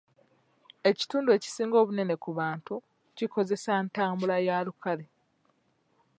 Ekitundu ekisinga obunene ku bantu kikozesa ntambula ya lukale.